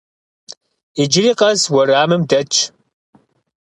Иджыри къэс уэрамым дэтщ.